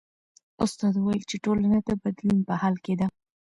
استاد وویل چې ټولنه د بدلون په حال کې ده.